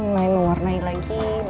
main warnai lagi